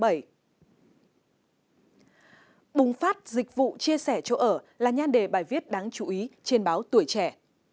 bùng phát dịch vụ chia sẻ chỗ ở là nhan đề bài viết đáng chú ý trên báo tuổi trẻ